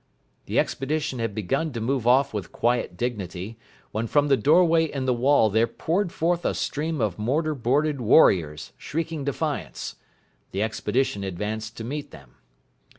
The expedition had begun to move off with quiet dignity, when from the doorway in the wall there poured forth a stream of mortar boarded warriors, shrieking defiance. The expedition advanced to meet them.